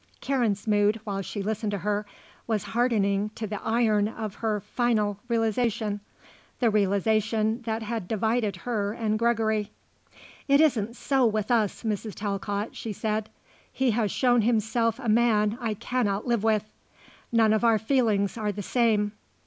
Karen's mood, while she listened to her, was hardening to the iron of her final realization, the realization that had divided her and Gregory. "It isn't so with us, Mrs. Talcott," she said. "He has shown himself a man I cannot live with. None of our feelings are the same.